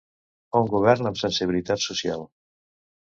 Un govern amb ‘sensibilitat social’